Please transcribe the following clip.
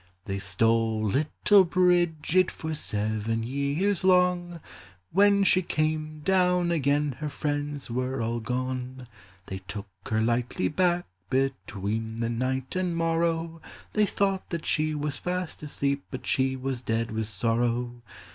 They stole little Bridget For seven years long ; When she came down again Her friends were all gone. They took her lightly back, Between the night and morrow ; They thought that she was fast asleep, But she was dead with sorrow.